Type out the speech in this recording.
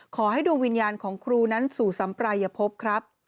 ขอให้ดวงวิญญาณของครูนั้นสู่สัมปรายภพครับ